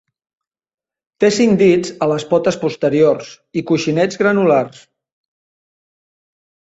Té cinc dits a les potes posteriors i coixinets granulars.